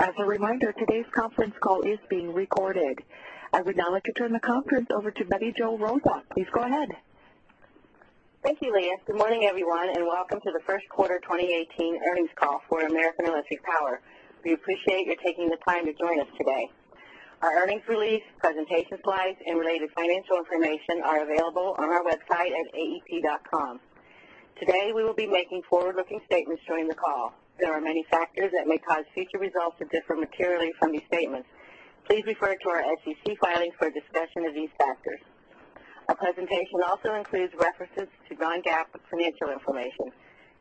As a reminder, today's conference call is being recorded. I would now like to turn the conference over to Bette Jo Rozsa. Please go ahead. Thank you, Leah. Good morning, everyone, welcome to the first quarter 2018 earnings call for American Electric Power. We appreciate you taking the time to join us today. Our earnings release, presentation slides, and related financial information are available on our website at aep.com. Today, we will be making forward-looking statements during the call. There are many factors that may cause future results to differ materially from these statements. Please refer to our SEC filings for a discussion of these factors. Our presentation also includes references to non-GAAP financial information.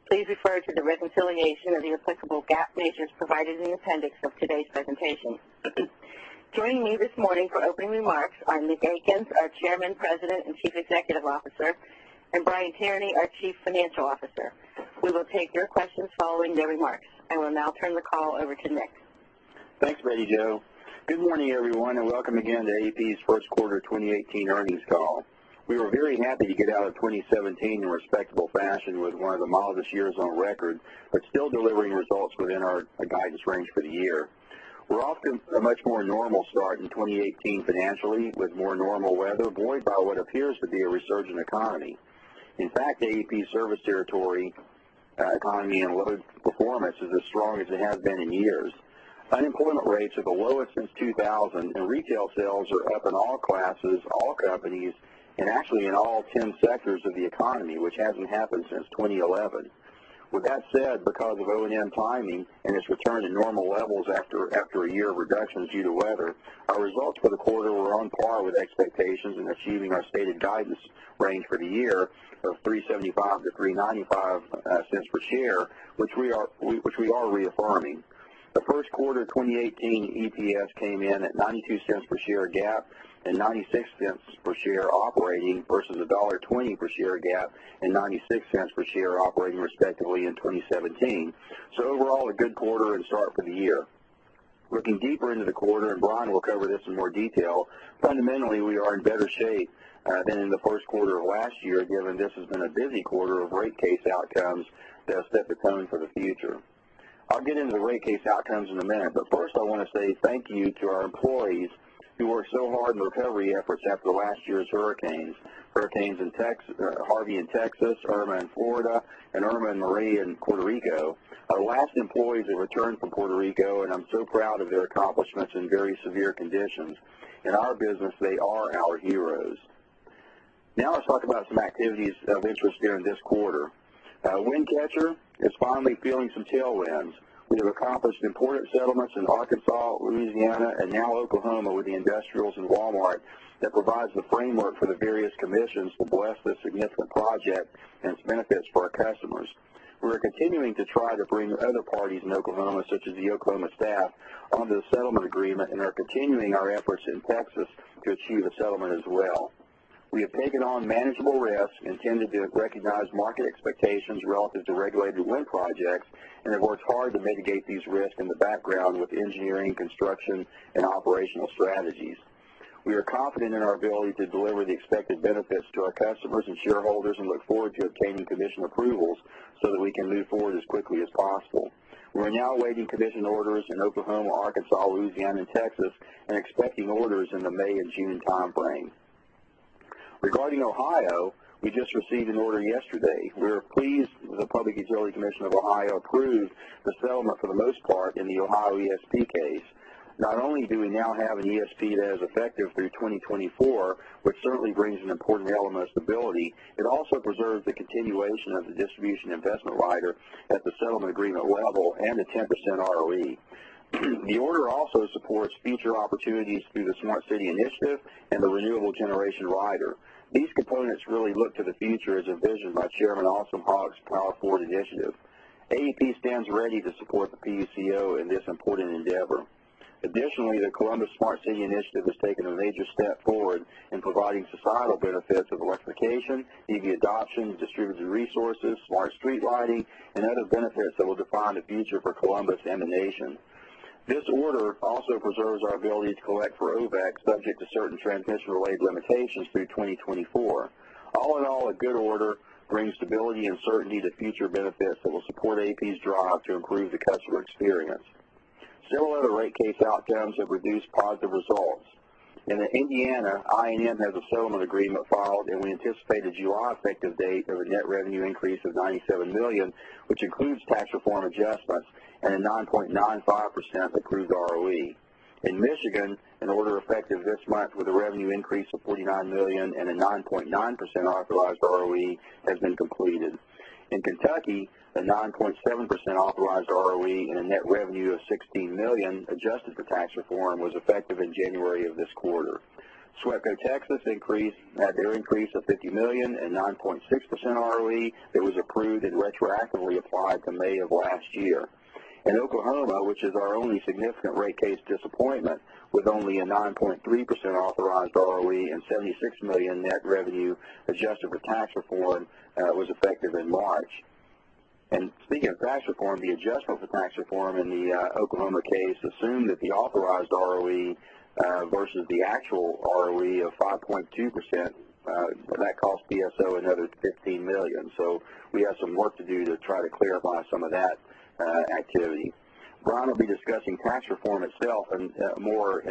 Please refer to the reconciliation of the applicable GAAP measures provided in the appendix of today's presentation. Joining me this morning for opening remarks are Nick Akins, our Chairman, President, and Chief Executive Officer, Brian Tierney, our Chief Financial Officer. We will take your questions following their remarks. I will now turn the call over to Nick. Thanks, Betty Jo. Good morning, everyone, welcome again to AEP's first quarter 2018 earnings call. We were very happy to get out of 2017 in respectable fashion with one of the mildest years on record, still delivering results within our guidance range for the year. We're off to a much more normal start in 2018 financially, with more normal weather, buoyed by what appears to be a resurgent economy. In fact, AEP's service territory economy and load performance is as strong as it has been in years. Unemployment rates are the lowest since 2000, retail sales are up in all classes, all companies, actually in all 10 sectors of the economy, which hasn't happened since 2011. With that said, because of O&M timing and its return to normal levels after a year of reductions due to weather, our results for the quarter were on par with expectations in achieving our stated guidance range for the year of $3.75 to $3.95 per share, which we are reaffirming. The first quarter 2018 EPS came in at $0.92 per share GAAP and $0.96 per share operating versus $1.20 per share GAAP and $0.96 per share operating respectively in 2017. Overall, a good quarter and start for the year. Looking deeper into the quarter, Brian will cover this in more detail, fundamentally, we are in better shape than in the first quarter of last year, given this has been a busy quarter of rate case outcomes that set the tone for the future. I'll get into the rate case outcomes in a minute. First I want to say thank you to our employees who worked so hard in recovery efforts after last year's hurricanes. Hurricanes Harvey in Texas, Irma in Florida, and Irma and Maria in Puerto Rico. Our last employees have returned from Puerto Rico, and I'm so proud of their accomplishments in very severe conditions. In our business, they are our heroes. Now let's talk about some activities of interest during this quarter. Wind Catcher is finally feeling some tailwinds. We have accomplished important settlements in Arkansas, Louisiana, and now Oklahoma with the industrials and Walmart that provides the framework for the various commissions to bless this significant project and its benefits for our customers. We are continuing to try to bring other parties in Oklahoma, such as the Oklahoma staff, onto the settlement agreement and are continuing our efforts in Texas to achieve a settlement as well. We have taken on manageable risks and intended to recognize market expectations relative to regulated wind projects and have worked hard to mitigate these risks in the background with engineering, construction, and operational strategies. We are confident in our ability to deliver the expected benefits to our customers and shareholders and look forward to obtaining commission approvals so that we can move forward as quickly as possible. We're now awaiting commission orders in Oklahoma, Arkansas, Louisiana, and Texas and expecting orders in the May and June timeframe. Regarding Ohio, we just received an order yesterday. We are pleased the Public Utilities Commission of Ohio approved the settlement for the most part in the Ohio ESP case. Not only do we now have an ESP that is effective through 2024, which certainly brings an important element of stability, it also preserves the continuation of the distribution investment rider at the settlement agreement level and a 10% ROE. The order also supports future opportunities through the Smart City initiative and the renewable generation rider. These components really look to the future as envisioned by Chairman Asim Haque's Power Forward initiative. AEP stands ready to support the PUCO in this important endeavor. Additionally, the Columbus Smart City initiative has taken a major step forward in providing societal benefits of electrification, EV adoption, distributed resources, smart street lighting, and other benefits that will define the future for Columbus and the nation. This order also preserves our ability to collect for OHVAC subject to certain transmission-related limitations through 2024. All in all, a good order brings stability and certainty to future benefits that will support AEP's drive to improve the customer experience. Several other rate case outcomes have produced positive results. In Indiana, I&M has a settlement agreement filed, and we anticipate a July effective date of a net revenue increase of $97 million, which includes tax reform adjustments and a 9.95% approved ROE. In Michigan, an order effective this month with a revenue increase of $49 million and a 9.9% authorized ROE has been completed. In Kentucky, a 9.7% authorized ROE and a net revenue of $16 million, adjusted for tax reform, was effective in January of this quarter. SWEPCO Texas had their increase of $50 million and 9.6% ROE that was approved and retroactively applied to May of last year. In Oklahoma, which is our only significant rate case disappointment, with only a 9.3% authorized ROE and $76 million net revenue adjusted for tax reform was effective in March. Speaking of tax reform, the adjustment for tax reform in the Oklahoma case assumed that the authorized ROE versus the actual ROE of 5.2%, that cost PSO another $15 million. We have some work to do to try to clarify some of that activity. Brian will be discussing tax reform itself in more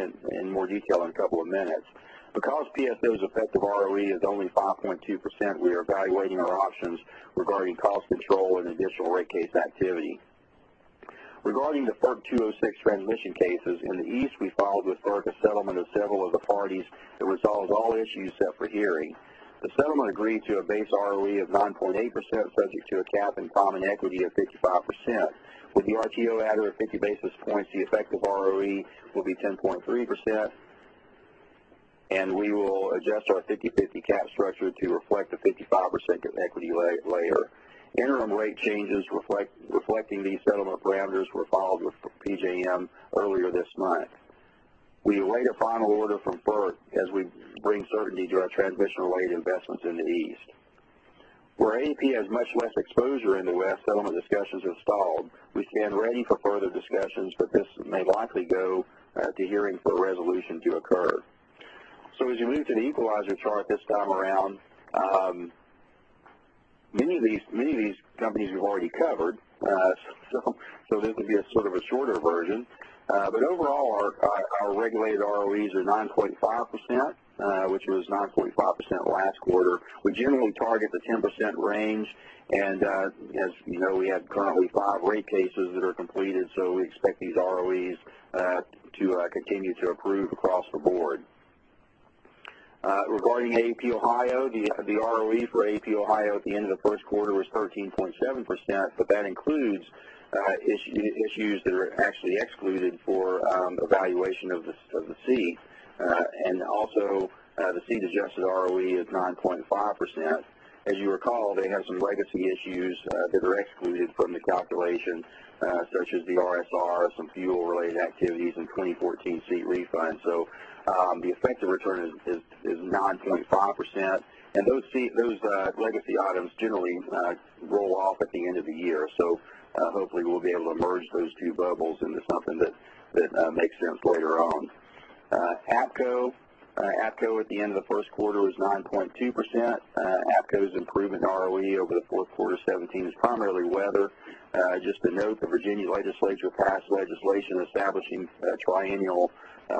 detail in a couple of minutes. PSO's effective ROE is only 5.2%, we are evaluating our options regarding cost control and additional rate case activity. Regarding the FERC Section 206 transmission cases, in the East, we filed with FERC a settlement of several of the parties that resolves all issues set for hearing. The settlement agreed to a base ROE of 9.8%, subject to a cap and common equity of 55%. With the RTO adder of 50 basis points, the effective ROE will be 10.3%, and we will adjust our 50/50 cap structure to reflect a 55% equity layer. Interim rate changes reflecting these settlement parameters were filed with PJM earlier this month. We await a final order from FERC as we bring certainty to our transmission-related investments in the East. Where AEP has much less exposure in the West, settlement discussions have stalled. We stand ready for further discussions, but this may likely go to hearing for a resolution to occur. As you move to the equalizer chart this time around, many of these companies we've already covered, so this will be a sort of a shorter version. Overall, our regulated ROEs are 9.5%, which was 9.5% last quarter. We generally target the 10% range. As you know, we have currently five rate cases that are completed, so we expect these ROEs to continue to improve across the board. Regarding AEP Ohio, the ROE for AEP Ohio at the end of the first quarter was 13.7%, but that includes issues that are actually excluded for evaluation of the CE. Also, the CE's adjusted ROE is 9.5%. As you recall, they have some legacy issues that are excluded from the calculation, such as the RSR, some fuel-related activities, and 2014 CE refunds. The effective return is 9.5%, and those legacy items generally roll off at the end of the year. Hopefully, we'll be able to merge those two bubbles into something that makes sense later on. APCo at the end of the first quarter was 9.2%. APCo's improvement in ROE over the fourth quarter 2017 is primarily weather. Just to note, the Virginia legislature passed legislation establishing triennial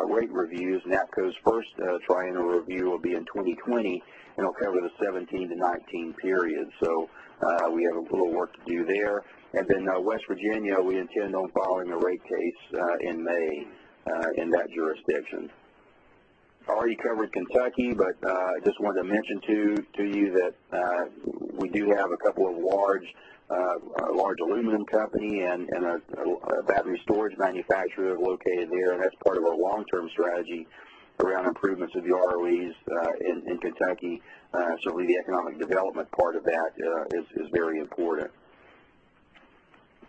rate reviews. APCo's first triennial review will be in 2020. It'll cover the 2017 to 2019 period. We have a little work to do there. Then West Virginia, we intend on filing a rate case in May in that jurisdiction. I already covered Kentucky. I just wanted to mention to you that we do have a couple of large aluminum company and a battery storage manufacturer located there. That's part of our long-term strategy around improvements of the ROEs in Kentucky. The economic development part of that is very important.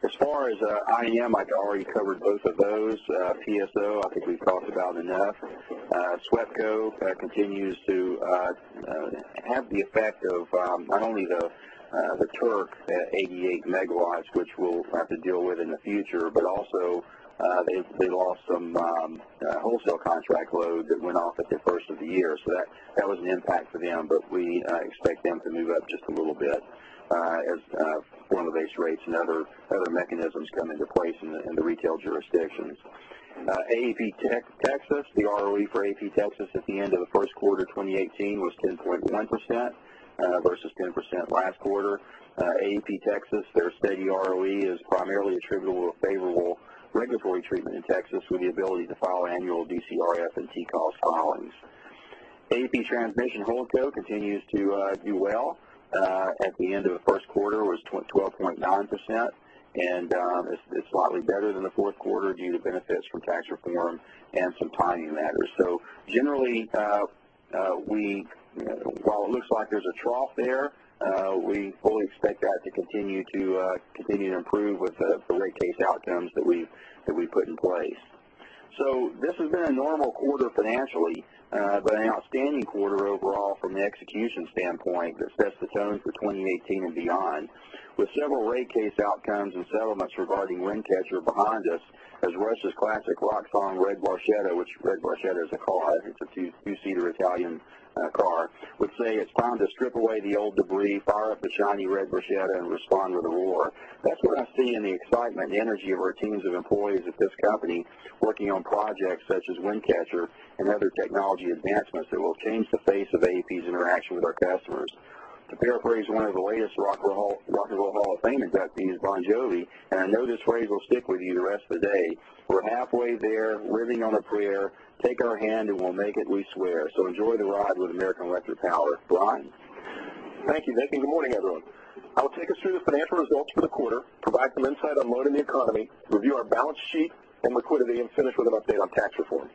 As far as I&M, I've already covered both of those. PSO, I think we've talked about enough. SWEPCO continues to have the effect of not only the Turk 88 megawatts, which we'll have to deal with in the future, but also they lost some wholesale contract load that went off at the first of the year. That was an impact for them, but we expect them to move up just a little bit as formula-based rates and other mechanisms come into place in the retail jurisdictions. AEP Texas, the ROE for AEP Texas at the end of the first quarter 2018 was 10.1% versus 10% last quarter. AEP Texas, their steady ROE is primarily attributable to favorable regulatory treatment in Texas with the ability to file annual DCRF and TCOS filings. AEP Transmission Holdco continues to do well. At the end of the first quarter was 12.9%, and it's slightly better than the fourth quarter due to benefits from tax reform and some timing matters. Generally, while it looks like there's a trough there, we fully expect that to continue to improve with the rate case outcomes that we put in place. This has been a normal quarter financially, but an outstanding quarter overall from the execution standpoint that sets the tone for 2018 and beyond. With several rate case outcomes and settlements regarding Wind Catcher behind us, as Rush's classic rock song, "Red Barchetta," which Red Barchetta is a car, it's a two-seater Italian car, would say, "It's time to strip away the old debris, fire up the shiny red Barchetta, and respond with a roar." That's what I see in the excitement and energy of our teams of employees at this company, working on projects such as Wind Catcher and other technology advancements that will change the face of AEP's interaction with our customers. To paraphrase one of the latest Rock and Roll Hall of Fame inductees, Bon Jovi, and I know this phrase will stick with you the rest of the day, we're halfway there, living on a prayer, take our hand and we'll make it, we swear. Enjoy the ride with American Electric Power. Brian? Thank you, Nick, and good morning, everyone. I will take us through the financial results for the quarter, provide some insight on loading the economy, review our balance sheet and liquidity, and finish with an update on tax reform.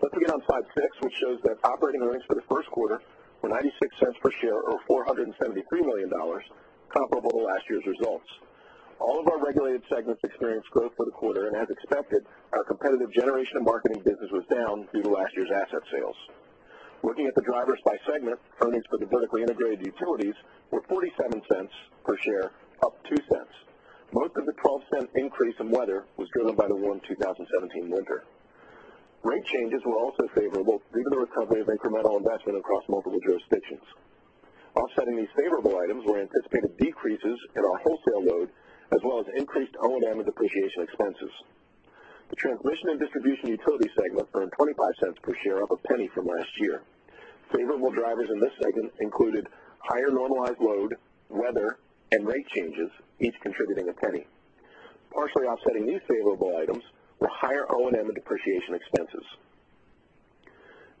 Let's begin on slide six, which shows that operating earnings for the first quarter were $0.96 per share or $473 million, comparable to last year's results. All of our regulated segments experienced growth for the quarter, and as expected, our competitive generation and marketing business was down due to last year's asset sales. Looking at the drivers by segment, earnings for the vertically integrated utilities were $0.47 per share, up $0.02. Most of the $0.12 increase in weather was driven by the warm 2017 winter. Rate changes were also favorable due to the recovery of incremental investment across multiple jurisdictions. Offsetting these favorable items were anticipated decreases in our wholesale load, as well as increased O&M and depreciation expenses. The transmission and distribution utility segment earned $0.25 per share, up $0.01 from last year. Favorable drivers in this segment included higher normalized load, weather, and rate changes, each contributing $0.01. Partially offsetting these favorable items were higher O&M and depreciation expenses.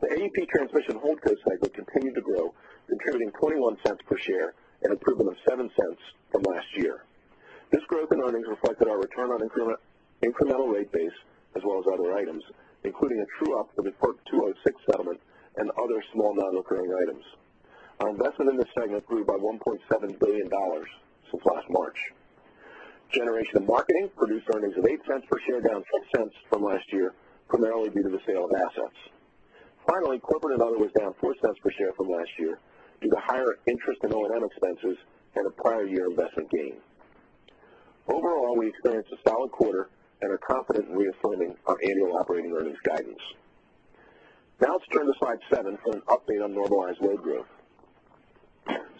The AEP Transmission Holdco segment continued to grow, contributing $0.21 per share, an improvement of $0.07 from last year. This growth in earnings reflected our return on incremental rate base as well as other items, including a true-up of the FERC Section 206 settlement and other small non-recurring items. Our investment in this segment grew by $1.7 billion since last March. Generation and Marketing produced earnings of $0.08 per share, down $0.10 from last year, primarily due to the sale of assets. Corporate and other was down $0.04 per share from last year due to higher interest in O&M expenses and a prior year investment gain. Overall, we experienced a solid quarter and are confident in reaffirming our annual operating earnings guidance. Let's turn to slide seven for an update on normalized load growth.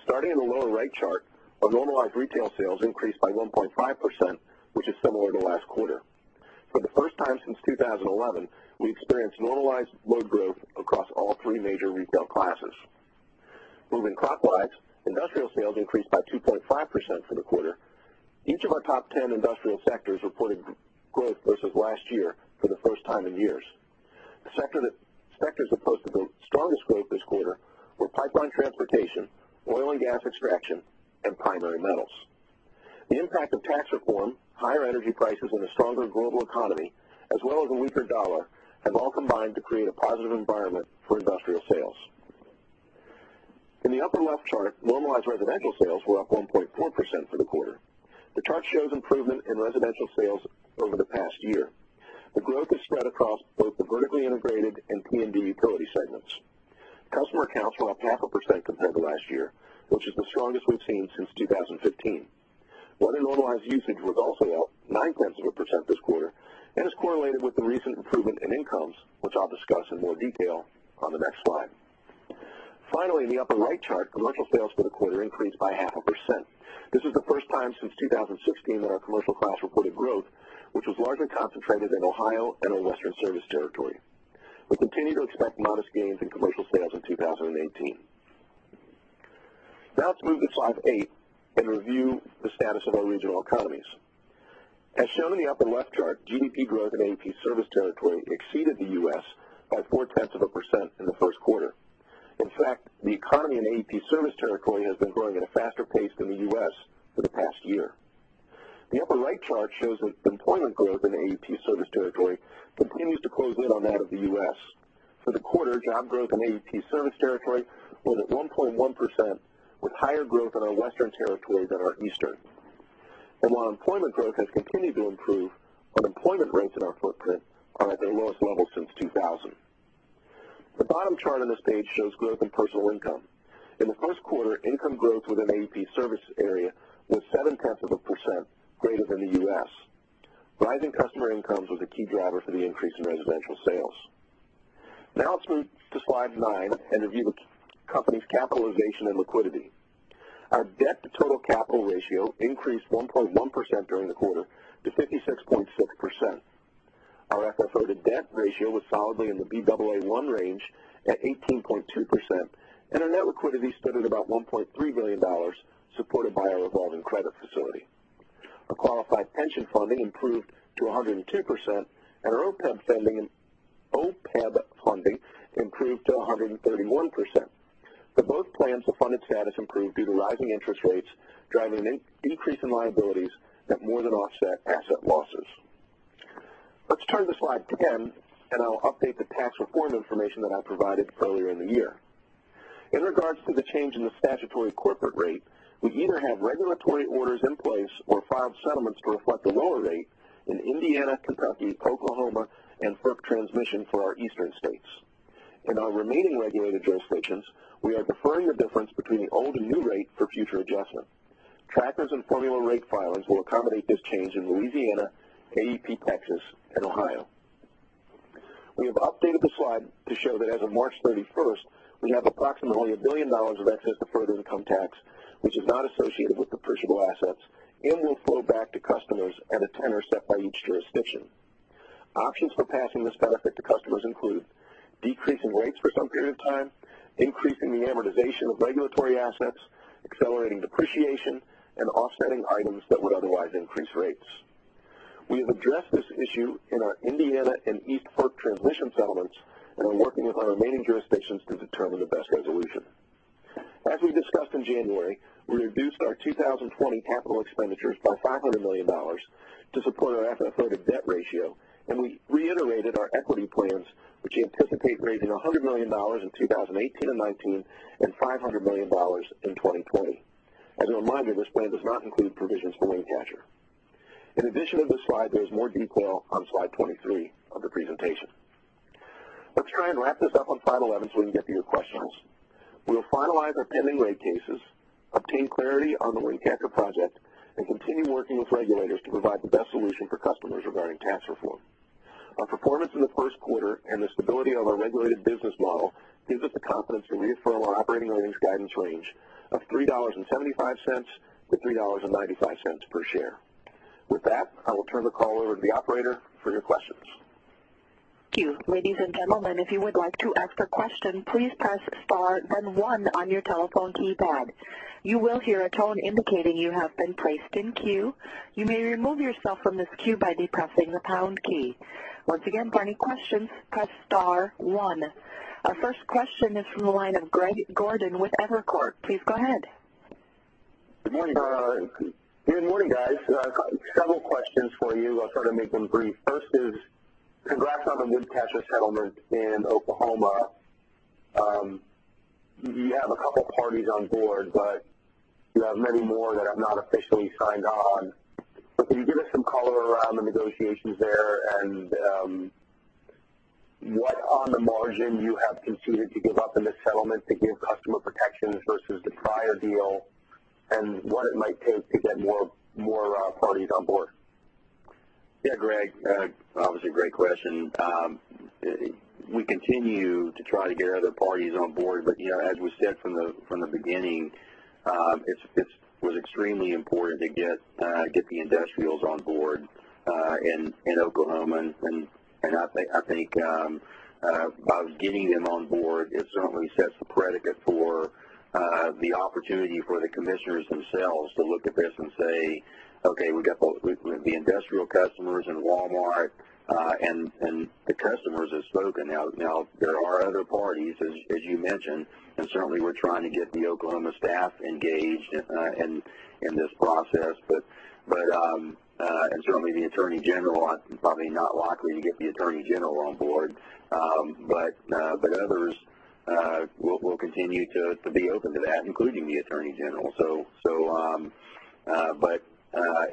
Starting in the lower right chart, our normalized retail sales increased by 1.5%, which is similar to last quarter. For the first time since 2011, we experienced normalized load growth across all three major retail classes. Moving clockwise, industrial sales increased by 2.5% for the quarter. Each of our top 10 industrial sectors reported growth versus last year for the first time in years. The sectors that posted the strongest growth this quarter were pipeline transportation, oil and gas extraction, and primary metals. The impact of tax reform, higher energy prices, and a stronger global economy, as well as a weaker dollar, have all combined to create a positive environment for industrial sales. In the upper left chart, normalized residential sales were up 1.4% for the quarter. The chart shows improvement in residential sales over the past year. The growth is spread across both the vertically integrated and T&D utility segments. Customer accounts were up 0.5% compared to last year, which is the strongest we've seen since 2015. Weather-normalized usage was also up 0.9% this quarter and is correlated with the recent improvement in incomes, which I'll discuss in more detail on the next slide. In the upper right chart, commercial sales for the quarter increased by 0.5%. This is the first time since 2016 that our commercial class reported growth, which was largely concentrated in Ohio and our western service territory. We continue to expect modest gains in commercial sales in 2018. Let's move to slide eight and review the status of our regional economies. As shown in the upper left chart, GDP growth in AEP's service territory exceeded the U.S. by 0.4% in the first quarter. In fact, the economy in AEP's service territory has been growing at a faster pace than the U.S. for the past year. The upper right chart shows that employment growth in AEP's service territory continues to close in on that of the U.S. For the quarter, job growth in AEP's service territory was at 1.1%, with higher growth in our western territory than our eastern. While employment growth has continued to improve, unemployment rates in our footprint are at their lowest level since 2000. The bottom chart on this page shows growth in personal income. In the first quarter, income growth within AEP's service area was seven-tenths of a percent greater than the U.S. Rising customer incomes was a key driver for the increase in residential sales. Let's move to slide nine and review the company's capitalization and liquidity. Our debt-to-total capital ratio increased 1.1% during the quarter to 56.6%. Our FFO-to-debt ratio was solidly in the Baa1 range at 18.2%, and our net liquidity stood at about $1.3 billion, supported by our revolving credit facility. Our qualified pension funding improved to 102%, and our OPEB funding improved to 131%. For both plans, the funded status improved due to rising interest rates, driving an increase in liabilities that more than offset asset losses. Let's turn to slide 10 and I'll update the tax reform information that I provided earlier in the year. In regards to the change in the statutory corporate rate, we either had regulatory orders in place or filed settlements to reflect the lower rate in Indiana, Kentucky, Oklahoma, and FERC transmission for our eastern states. In our remaining regulated jurisdictions, we are deferring the difference between the old and new rate for future adjustment. Trackers and formula rate filings will accommodate this change in Louisiana, AEP Texas, and Ohio. We have updated the slide to show that as of March 31st, we have approximately $1 billion of excess deferred income tax, which is not associated with appreciable assets and will flow back to customers at a tenor set by each jurisdiction. Options for passing this benefit to customers include decreasing rates for some period of time, increasing the amortization of regulatory assets, accelerating depreciation, and offsetting items that would otherwise increase rates. We have addressed this issue in our Indiana and East FERC transmission settlements and are working with our remaining jurisdictions to determine the best resolution. As we discussed in January, we reduced our 2020 capital expenditures by $500 million to support our FFO-to-debt ratio, and we reiterated our equity plans, which anticipate raising $100 million in 2018 and 2019 and $500 million in 2020. As a reminder, this plan does not include provisions for Wind Catcher. In addition to this slide, there is more detail on slide 23 of the presentation. Go ahead and wrap this up on slide 11 so we can get to your questions. We'll finalize our pending rate cases, obtain clarity on the Wind Catcher project, and continue working with regulators to provide the best solution for customers regarding tax reform. Our performance in the first quarter and the stability of our regulated business model gives us the confidence to reaffirm our operating earnings guidance range of $3.75 to $3.95 per share. With that, I will turn the call over to the operator for your questions. Thank you. Ladies and gentlemen, if you would like to ask a question, please press star then one on your telephone keypad. You will hear a tone indicating you have been placed in queue. You may remove yourself from this queue by depressing the pound key. Once again, for any questions, press star one. Our first question is from the line of Greg Gordon with Evercore. Please go ahead. Good morning, guys. Several questions for you. I'll try to make them brief. First is congrats on the Wind Catcher settlement in Oklahoma. You have a couple parties on board, you have many more that have not officially signed on. Can you give us some color around the negotiations there and what on the margin you have conceded to give up in this settlement to give customer protections versus the prior deal and what it might take to get more parties on board? Yeah, Greg, obviously, great question. We continue to try to get other parties on board, as we said from the beginning, it was extremely important to get the industrials on board in Oklahoma. I think by getting them on board, it certainly sets the predicate for the opportunity for the commissioners themselves to look at this and say, "Okay, we got both the industrial customers and Walmart, and the customers have spoken." There are other parties, as you mentioned, certainly we're trying to get the Oklahoma staff engaged in this process. Certainly the attorney general, probably not likely to get the attorney general on board. Others, we'll continue to be open to that, including the attorney general.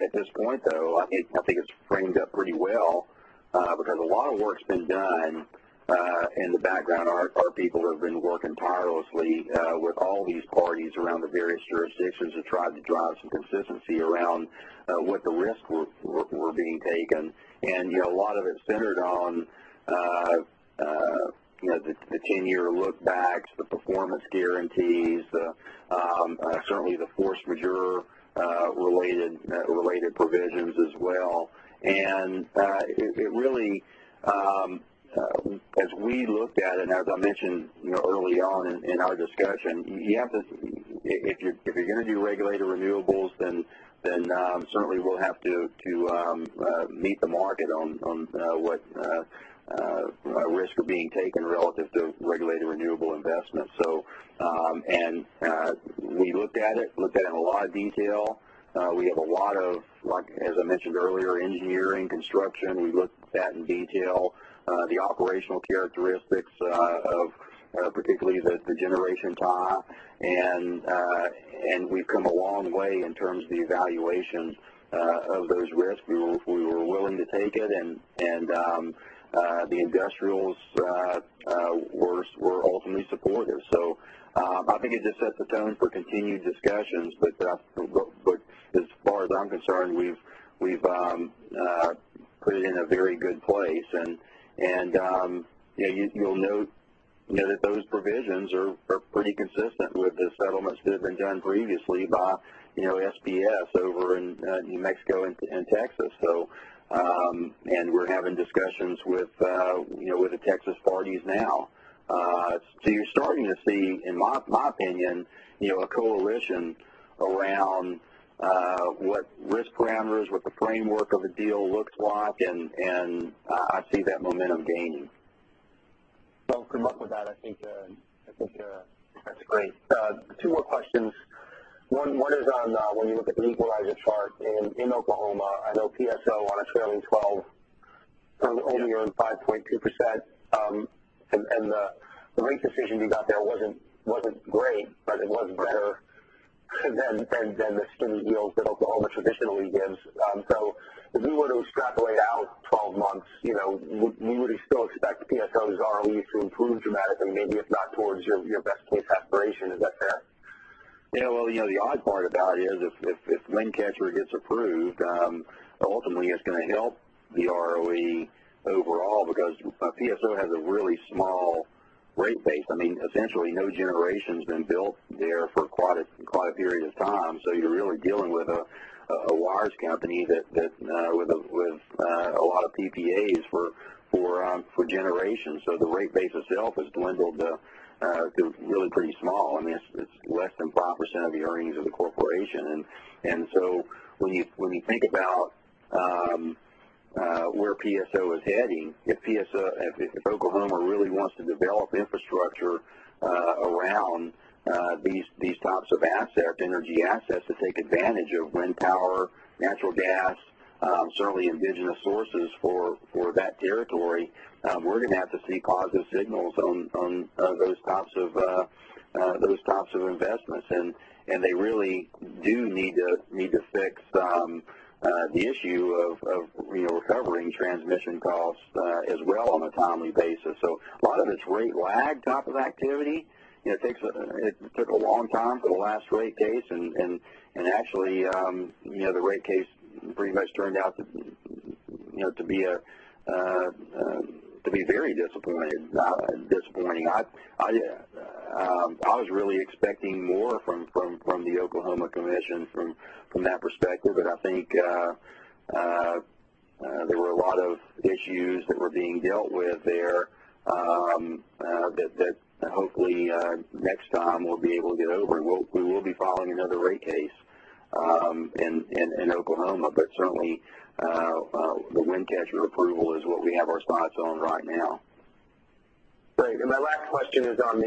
At this point, though, I think it's framed up pretty well, because a lot of work's been done in the background. Our people have been working tirelessly with all these parties around the various jurisdictions to try to drive some consistency around what the risks were being taken. A lot of it's centered on the 10-year look-backs, the performance guarantees, certainly the force majeure-related provisions as well. As we looked at it, as I mentioned early on in our discussion, if you're going to do regulated renewables, then certainly we'll have to meet the market on what risks are being taken relative to regulated renewable investment. We looked at it in a lot of detail. We have, as I mentioned earlier, engineering, construction. We looked at that in detail, the operational characteristics of particularly the generation gen-tie. We've come a long way in terms of the evaluation of those risks. We were willing to take it, the industrials were ultimately supportive. I think it just sets the tone for continued discussions. As far as I'm concerned, we've put it in a very good place. You'll note that those provisions are pretty consistent with the settlements that have been done previously by SPS over in New Mexico and Texas. We're having discussions with the Texas parties now. You're starting to see, in my opinion, a coalition around what risk parameters, what the framework of a deal looks like, and I see that momentum gaining. I'll come up with that. I think that's great. Two more questions. One is on when you look at the equalizer chart in Oklahoma, I know PSO on a trailing 12 only earned 5.2%, and the rate decision you got there wasn't great, but it was better than the skinny yields that Oklahoma traditionally gives. If we were to extrapolate out 12 months, would you still expect PSO's ROE to improve dramatically, if not towards your best-case aspiration? Is that fair? The odd part about it is if Wind Catcher gets approved, ultimately it's going to help the ROE overall because PSO has a really small rate base. Essentially, no generation's been built there for quite a period of time. You're really dealing with a wires company with a lot of PPAs for generation. The rate base itself has dwindled to really pretty small. It's less than 5% of the earnings of the corporation. When you think about where PSO is heading, if Oklahoma really wants to develop infrastructure around these types of energy assets to take advantage of wind power, natural gas Certainly indigenous sources for that territory. We're going to have to see positive signals on those types of investments, and they really do need to fix the issue of recovering transmission costs as well on a timely basis. A lot of it's rate lag type of activity. It took a long time for the last rate case, and actually, the rate case pretty much turned out to be very disappointing. I was really expecting more from the Oklahoma Commission from that perspective. I think there were a lot of issues that were being dealt with there that hopefully next time we'll be able to get over, and we will be filing another rate case in Oklahoma. Certainly, the Wind Catcher approval is what we have our sights on right now. My last question is on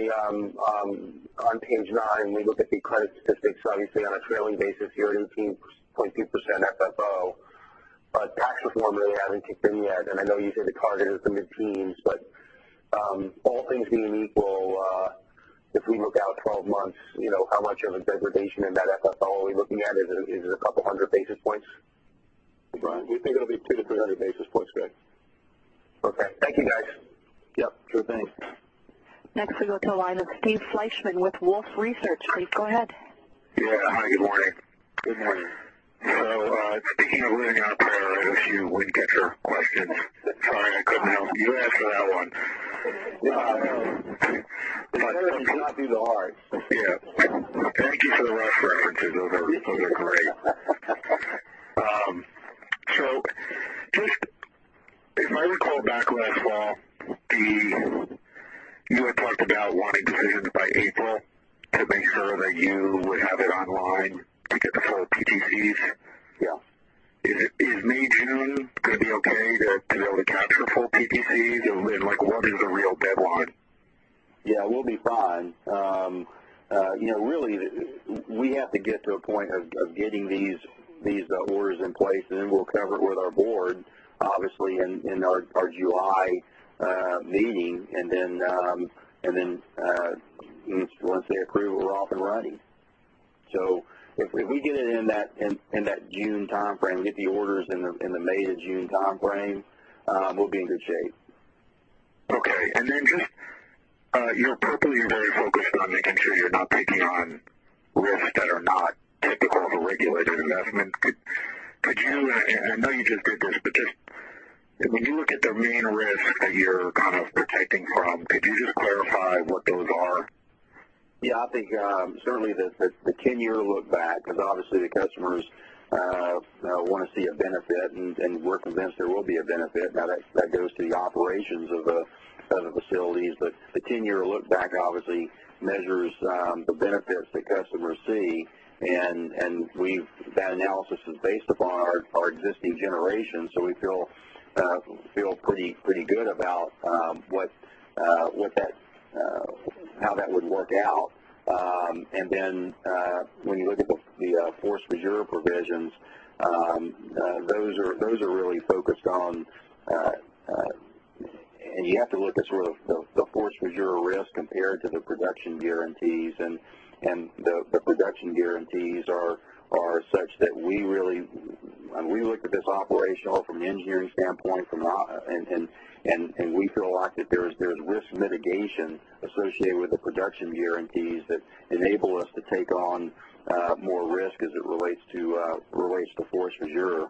page nine, we look at the credit statistics. Obviously on a trailing basis, you're 18.2% FFO, tax reform really hasn't kicked in yet. I know you say the target is the mid-teens, all things being equal, if we look out 12 months, how much of a degradation in that FFO are we looking at? Is it a couple hundred basis points? Brian. We think it'll be 200 to 300 basis points, yeah. Okay. Thank you, guys. Yep. Sure thing. We go to the line of Steve Fleishman with Wolfe Research. Steve, go ahead. Yeah. Hi, good morning. Good morning. Speaking of living on prayer, I have a few Wind Catcher questions. Sorry, I couldn't help you ask for that one. Yeah, I know. It's better to not do the arts. Yeah. Thank you for the Rush references. Those are great. Just if I recall back last fall, you had talked about wanting decisions by April to make sure that you would have it online to get the full PTCs. Yeah. Is May, June going to be okay to be able to capture full PTCs? What is a real deadline? Yeah, we'll be fine. Really, we have to get to a point of getting these orders in place, then we'll cover it with our board, obviously, in our July meeting. Then, once they approve, we're off and running. If we get it in that June timeframe, get the orders in the May to June timeframe, we'll be in good shape. Okay. Just, you're purposely very focused on making sure you're not taking on risks that are not typical of a regulated investment. I know you just did this, just when you look at the main risks that you're kind of protecting from, could you just clarify what those are? Yeah, I think, certainly the 10-year look back, because obviously the customers want to see a benefit, and we're convinced there will be a benefit. That goes to the operations of the facilities. The 10-year look back obviously measures the benefits that customers see. That analysis is based upon our existing generation. We feel pretty good about how that would work out. When you look at the force majeure provisions, those are really focused on you have to look at sort of the force majeure risk compared to the production guarantees. The production guarantees are such that we look at this operational from an engineering standpoint, and we feel like that there's risk mitigation associated with the production guarantees that enable us to take on more risk as it relates to force majeure.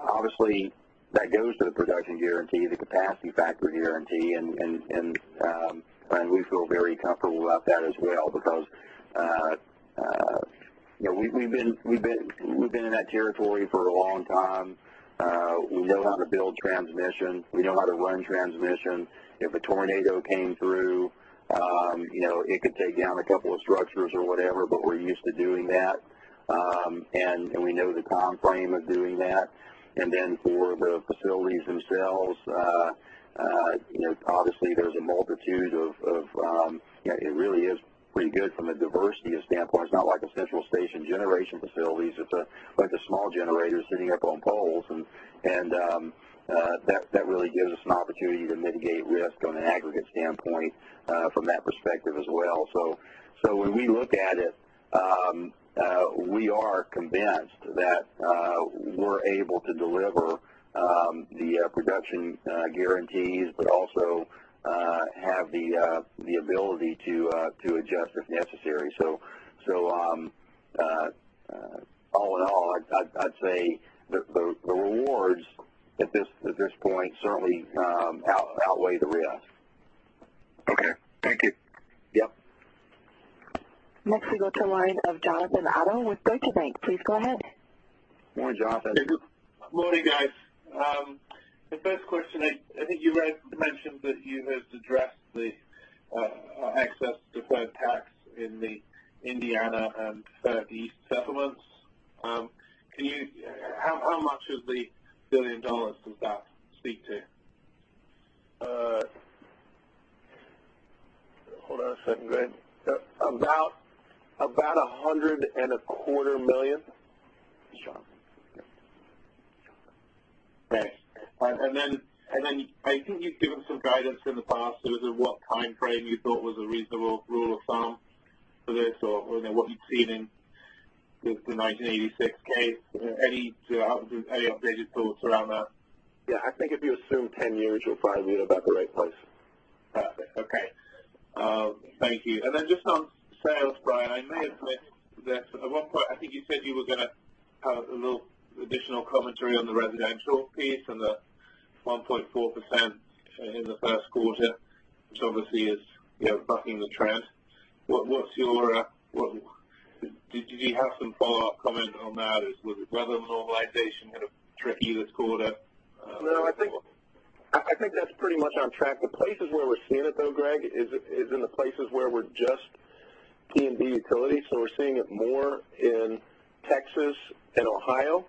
Obviously, that goes to the production guarantee, the capacity factor guarantee. We feel very comfortable about that as well because we've been in that territory for a long time. We know how to build transmission. We know how to run transmission. If a tornado came through, it could take down a couple of structures or whatever, but we're used to doing that. We know the timeframe of doing that. For the facilities themselves, obviously It really is pretty good from a diversity standpoint. It's not like a central station generation facilities. It's a bunch of small generators sitting up on poles, and that really gives us an opportunity to mitigate risk on an aggregate standpoint from that perspective as well. When we look at it, we are convinced that we're able to deliver the production guarantees, but also have the ability to adjust if necessary. All in all, I'd say the rewards at this point certainly outweigh the risk. Okay. Thank you. Yep. Next we go to the line of Jonathan Arnold with Deutsche Bank. Please go ahead. Morning, Jonathan. Hey, good morning, guys. The first question, I think you mentioned that you have addressed the excess deferred tax in the Indiana and East FERC settlements. How much of the $1 billion does that speak to? One second, Greg. About $125 million. Sure. Okay. I think you've given some guidance in the past in terms of what timeframe you thought was a reasonable rule of thumb for this, or what you'd seen in the 1986 case. Any updated thoughts around that? Yeah. I think if you assume 10 years, you'll probably be in about the right place. Perfect. Okay. Thank you. Just on sales, Brian, I may have missed this. At one point, I think you said you were going to have a little additional commentary on the residential piece and the 1.4% in the first quarter, which obviously is bucking the trend. Did you have some follow-up comment on that? Was it rather normalization kind of tricky this quarter? No, I think that's pretty much on track. The places where we're seeing it, though, Greg, is in the places where we're just P&B utilities. We're seeing it more in Texas and Ohio,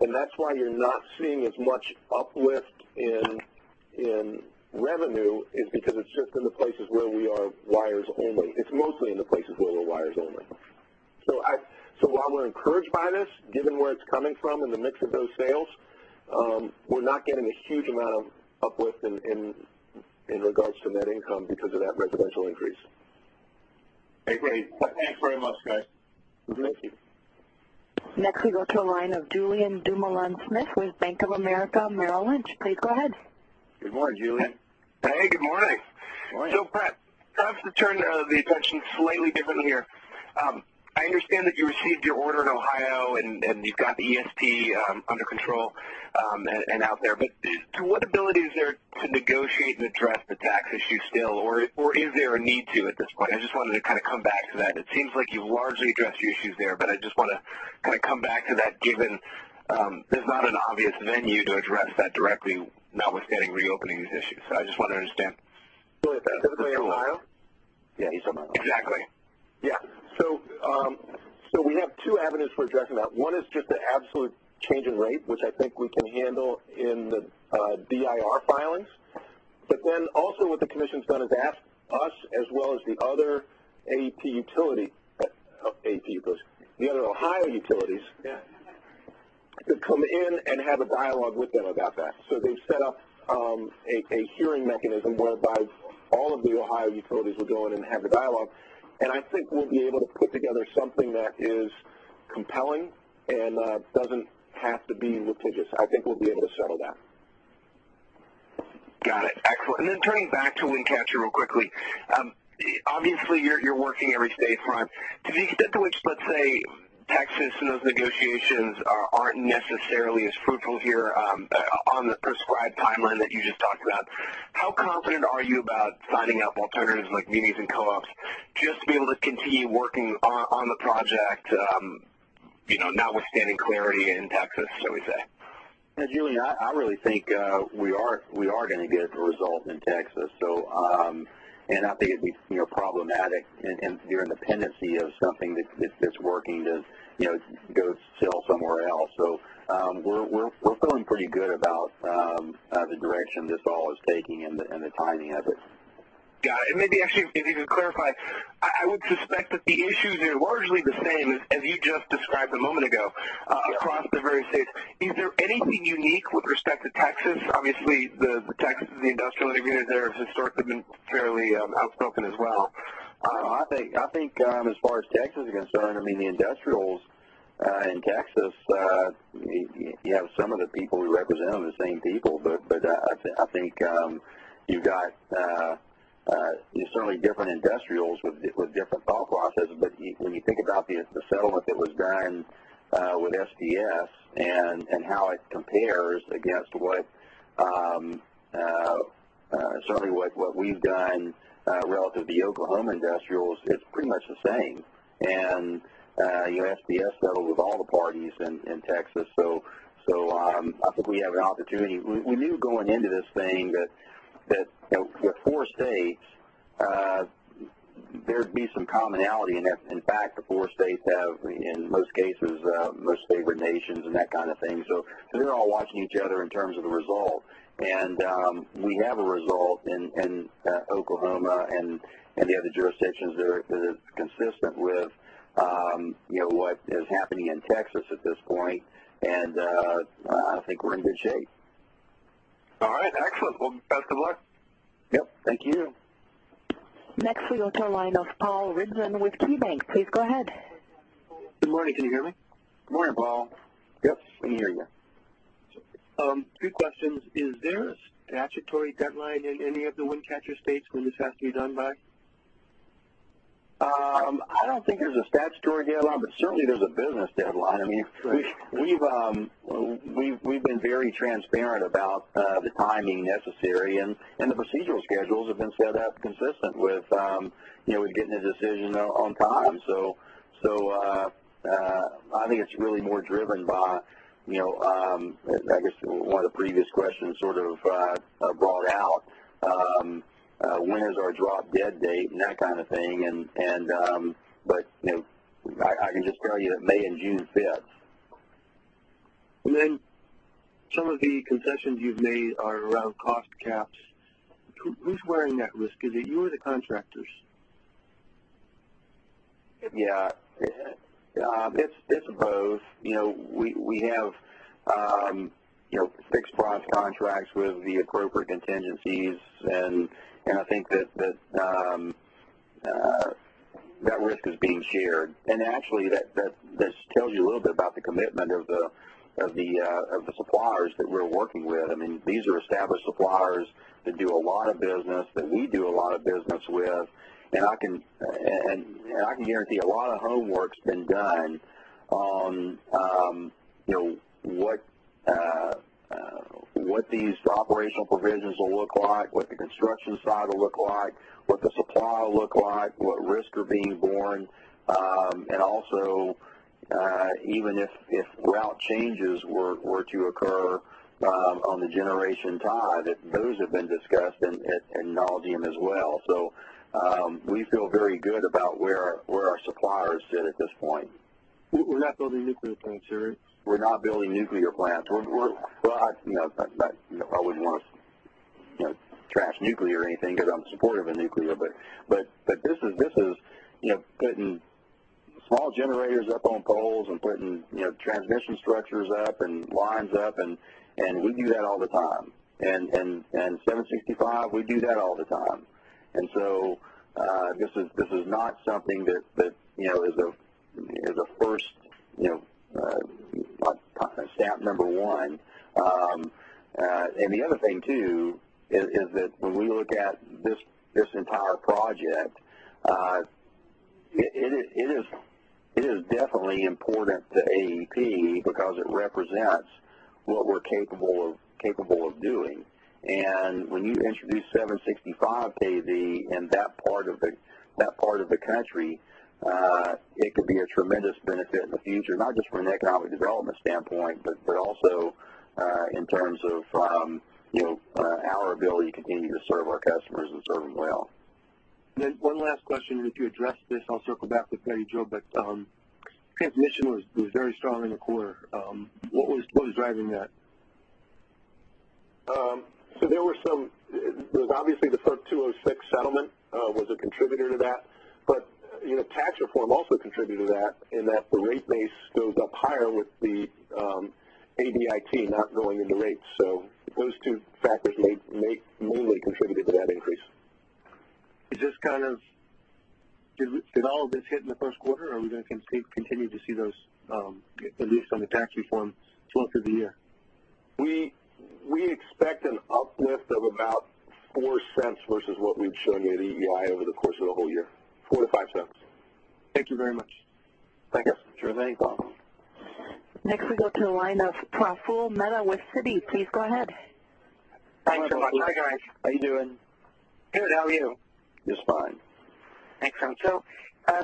and that's why you're not seeing as much uplift in revenue, is because it's just in the places where we are wires only. It's mostly in the places where we're wires only. While we're encouraged by this, given where it's coming from in the mix of those sales, we're not getting a huge amount of uplift in regards to net income because of that residential increase. Okay, great. Thanks very much, guys. Thank you. Next, we go to the line of Julien Dumoulin-Smith with Bank of America Merrill Lynch. Please go ahead. Good morning, Julien. Hey, good morning. Morning. So, perhaps, to turn the attention slightly attention slightly differently here. I understand that you received your order in Ohio and you've got the ESP under control and out there. To what ability is there to negotiate and address the tax issue still? Is there a need to at this point? I just wanted to come back to that. It seems like you've largely addressed the issues there, but I just want to come back to that, given there's not an obvious venue to address that directly, notwithstanding reopening these issues. I just want to understand. Julien, specifically Ohio? Yeah, you said Ohio. Exactly. Yeah. We have two avenues for addressing that. One is just the absolute change in rate, which I think we can handle in the DIR filings. Also what the commission's done is asked us as well as the other Ohio utilities- Yeah to come in and have a dialogue with them about that. They've set up a hearing mechanism whereby all of the Ohio utilities will go in and have a dialogue. I think we'll be able to put together something that is compelling and doesn't have to be litigious. I think we'll be able to settle that. Got it. Excellent. Turning back to Wind Catcher real quickly. Obviously, you're working every state front. To the extent to which, let's say, Texas and those negotiations aren't necessarily as fruitful here on the prescribed timeline that you just talked about, how confident are you about signing up alternatives like munis and co-ops just to be able to continue working on the project, notwithstanding clarity in Texas, shall we say? Yeah, Julien, I really think we are going to get a result in Texas. I think it'd be problematic and you're in the pendency of something that's working to go sell somewhere else. We're feeling pretty good about the direction this all is taking and the timing of it. Got it. Maybe actually, if you could clarify, I would suspect that the issues are largely the same as you just described a moment ago. Yeah across the various states. Is there anything unique with respect to Texas? Obviously, the industrial interveners there have historically been fairly outspoken as well. I think as far as Texas is concerned, the industrials in Texas, you have some of the people who represent them, the same people. I think you've got certainly different industrials with different thought processes. When you think about the settlement that was done with SPS and how it compares against what we've done relative to the Oklahoma industrials, it's pretty much the same. SPS settled with all the parties in Texas. I think we have an opportunity. We knew going into this thing that with four states, there'd be some commonality in that. In fact, the four states have, in most cases, most favored nations and that kind of thing. They're all watching each other in terms of the result. We have a result in Oklahoma and the other jurisdictions that is consistent with what is happening in Texas at this point. I think we're in good shape. All right. Excellent. Well, best of luck. Yep. Thank you. Next, we go to the line of Paul Ridzon with KeyBank. Please go ahead. Good morning. Can you hear me? Good morning, Paul. Yes, we can hear you. Two questions. Is there a statutory deadline in any of the Wind Catcher states when this has to be done by? I don't think there's a statutory deadline, but certainly there's a business deadline. We've been very transparent about the timing necessary, and the procedural schedules have been set up consistent with getting a decision on time. I think it's really more driven by, I guess one of the previous questions sort of brought out, when is our drop-dead date and that kind of thing. I can just tell you that May and June fits Some of the concessions you've made are around cost caps. Who's wearing that risk? Is it you or the contractors? Yeah. It's both. We have fixed-price contracts with the appropriate contingencies, and I think that risk is being shared. Actually, that tells you a little bit about the commitment of the suppliers that we're working with. These are established suppliers that do a lot of business, that we do a lot of business with. I can guarantee a lot of homework's been done on what these operational provisions will look like, what the construction side will look like, what the supply will look like, what risks are being borne. Also, even if route changes were to occur on the generation side, those have been discussed ad nauseam as well. We feel very good about where our suppliers sit at this point. We're not building nuclear plants here? We're not building nuclear plants. I wouldn't want to trash nuclear or anything because I'm supportive of nuclear. This is putting small generators up on poles and putting transmission structures up and lines up, and we do that all the time. 765, we do that all the time. This is not something that is a first stamp number one. The other thing, too, is that when we look at this entire project, it is definitely important to AEP because it represents what we're capable of doing. When you introduce 765 kV in that part of the country, it could be a tremendous benefit in the future, not just from an economic development standpoint, but also in terms of our ability to continue to serve our customers and serve them well. One last question. If you addressed this, I'll circle back with Bette Jo, transmission was very strong in the quarter. What was driving that? There was obviously the FERC Section 206 settlement was a contributor to that. Tax reform also contributed to that in that the rate base goes up higher with the ADIT not going into rates. Those two factors mainly contributed to that increase. Did all of this hit in the first quarter, or are we going to continue to see those, at least on the tax reform, throughout the year? We expect an uplift of about $0.04 versus what we've shown you at EEI over the course of the whole year. $0.04-$0.05. Thank you very much. Thank you. Sure thing. No problem. Next we go to the line of Praful Mehta with Citi. Please go ahead. Hi, Praful. Thanks so much. Hi, guys. How you doing? Good. How are you? Just fine. Excellent.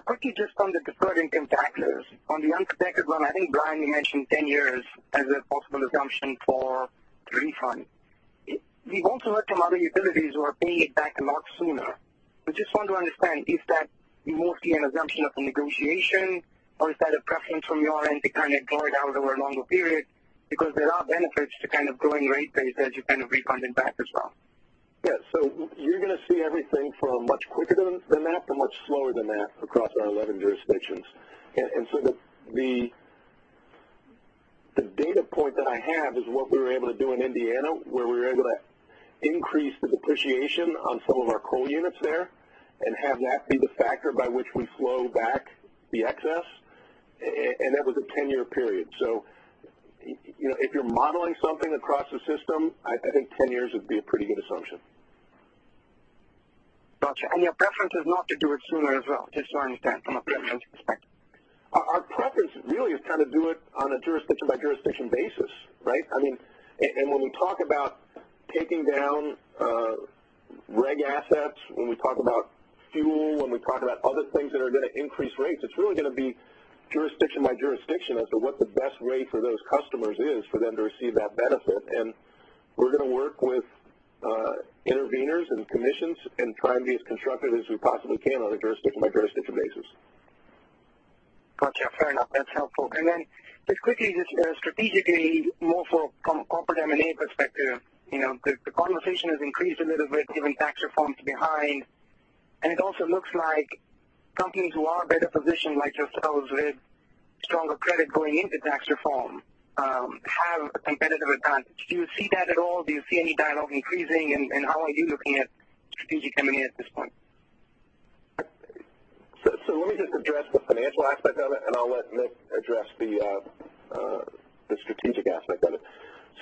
Quickly, just on the deferred income taxes. On the unconnected one, I think, Brian, you mentioned 10 years as a possible assumption for refund. We've also heard from other utilities who are paying it back a lot sooner. I just want to understand, is that mostly an assumption of the negotiation, or is that a preference from your end to kind of draw it out over a longer period? Because there are benefits to kind of growing rate base as you're kind of refunding back as well. Yeah. You're going to see everything from much quicker than that to much slower than that across our 11 jurisdictions. The data point that I have is what we were able to do in Indiana, where we were able to increase the depreciation on some of our coal units there and have that be the factor by which we slow back the excess. That was a 10-year period. If you're modeling something across the system, I think 10 years would be a pretty good assumption. Gotcha. Your preference is not to do it sooner as well, just so I understand from a financial perspective. Our preference really is to do it on a jurisdiction-by-jurisdiction basis, right? When we talk about taking down reg assets, when we talk about fuel, when we talk about other things that are going to increase rates, it's really going to be jurisdiction by jurisdiction as to what the best way for those customers is for them to receive that benefit. We're going to work with interveners and commissions and try and be as constructive as we possibly can on a jurisdiction-by-jurisdiction basis. Gotcha. Fair enough. That's helpful. Just quickly, just strategically, more from corporate M&A perspective. The conversation has increased a little bit given tax reforms behind, it also looks like companies who are better positioned, like yourselves, with stronger credit going into tax reform, have a competitive advantage. Do you see that at all? Do you see any dialogue increasing, and how are you looking at strategic M&A at this point? Let me just address the financial aspect of it, and I'll let Nick address the strategic aspect of it.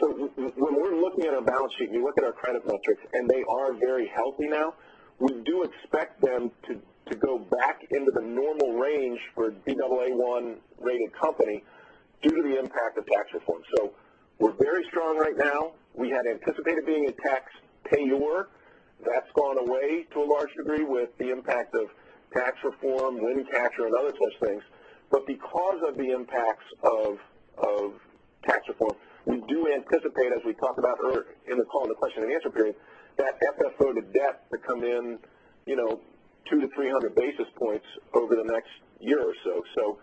When we're looking at our balance sheet, when you look at our credit metrics, and they are very healthy now, we do expect them to go back into the normal range for a Baa1-rated company due to the impact of tax reform. We're very strong right now. We had anticipated being a taxpayer. That's gone away to a large degree with the impact of tax reform, Wind Catcher, and other such things. Because of the impacts of tax reform, we do anticipate, as we talked about earlier in the call in the question and answer period, that FFO-to-debt to come in 200 to 300 basis points over the next year or so.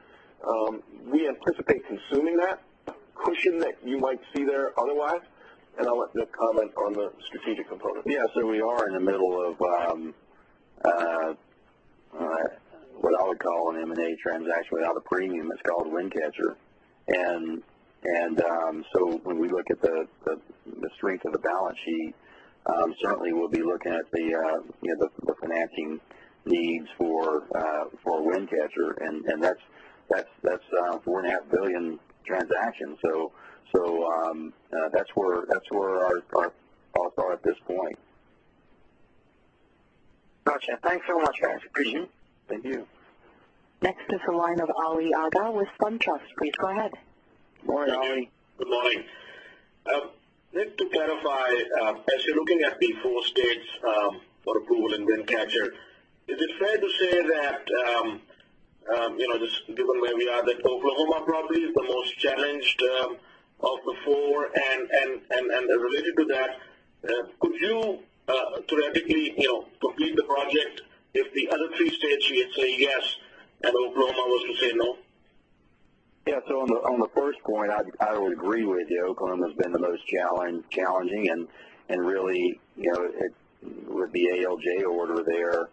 We anticipate consuming that cushion that you might see there otherwise, and I'll let Bill comment on the strategic component. Yes. We are in the middle of what I would call an M&A transaction without a premium. It's called Wind Catcher. When we look at the strength of the balance sheet, certainly we'll be looking at the financing needs for Wind Catcher. That's a $4.5 billion transaction. That's where our thoughts are at this point. Gotcha. Thanks so much, guys. Appreciate it. Thank you. Next is the line of Ali Agha with SunTrust. Please go ahead. Morning, Ali. Good morning. Nick, to clarify, as you're looking at the four states for approval in Wind Catcher, is it fair to say that, just given where we are, that Oklahoma probably is the most challenged of the four? Related to that, could you theoretically complete the project if the other three states say yes and Oklahoma was to say no? On the first point, I would agree with you. Oklahoma's been the most challenging, and really, with the ALJ order there,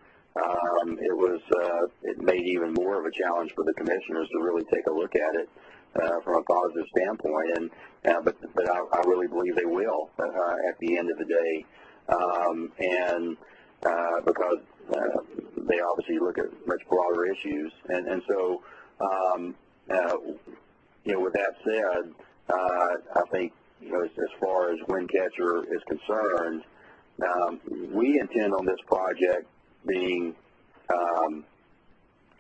it made even more of a challenge for the commissioners to really take a look at it from a positive standpoint. I really believe they will, at the end of the day, because they obviously look at much broader issues. With that said, I think as far as Wind Catcher is concerned, we intend on this project being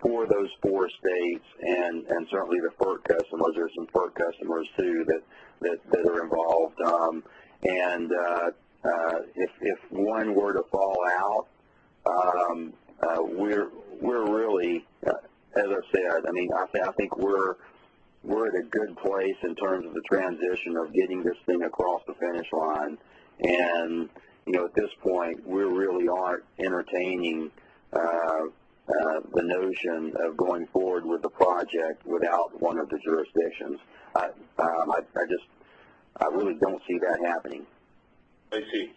for those four states and certainly the FERC customers. There are some FERC customers too that are involved. If one were to fall out, we're in a good place in terms of the transition of getting this thing across the finish line. At this point, we really aren't entertaining the notion of going forward with the project without one of the jurisdictions. I really don't see that happening. I see.